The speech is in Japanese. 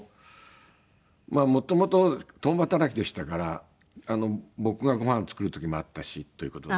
もともと共働きでしたから僕がごはん作る時もあったしという事で。